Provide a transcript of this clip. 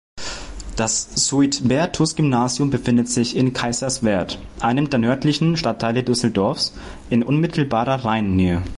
Das Suitbertus-Gymnasium befindet sich in Kaiserswerth, einem der nördlichen Stadtteile Düsseldorfs, in unmittelbarer Rheinnähe.